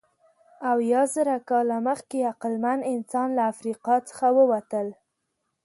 اویازره کاله مخکې عقلمن انسانان له افریقا څخه ووتل.